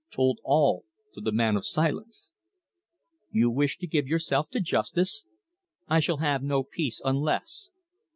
told all to the man of silence. "You wish to give yourself to justice?" "I shall have no peace unless."